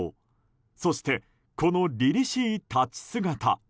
そして、このりりしい立ち姿。